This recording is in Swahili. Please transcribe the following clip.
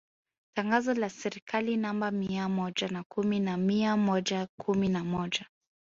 Tangazo la Serikali namba mia moja na kumi na mia moja kumi na moja